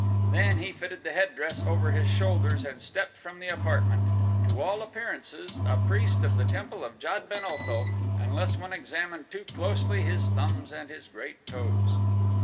Then he fitted the headdress over his shoulders and stepped from the apartment, to all appearances a priest of the temple of Jad ben Otho unless one examined too closely his thumbs and his great toes.